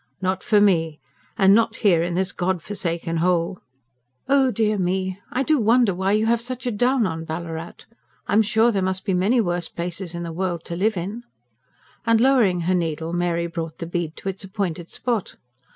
"Not for me. And not here in this God forsaken hole!" "Oh dear me! I do wonder why you have such a down on Ballarat. I'm sure there must be many worse places in the world to live in", and lowering her needle, Mary brought the bead to its appointed spot.